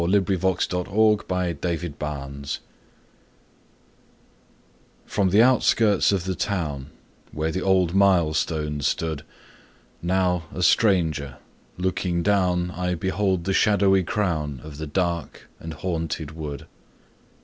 Henry Wadsworth Longfellow Changed FROM the outskirts of the town, Where of old the mile stone stood, Now a stranger, looking down I behold the shadowy crown Of the dark and haunted wood.